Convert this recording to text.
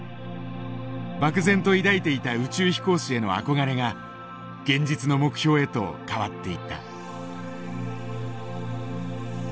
漠然と抱いていた宇宙飛行士への憧れが現実の目標へと変わっていった。